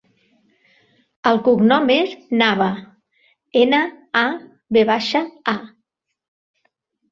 El cognom és Nava: ena, a, ve baixa, a.